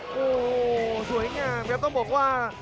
โอ้โหสวยงามครับต้องบอกว่า